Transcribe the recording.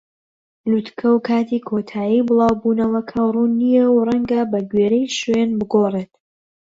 لووتکە و کاتی کۆتایی بڵاو بوونەوەکە ڕوون نین و ڕەنگە بەگوێرەی شوێن بگۆڕێت.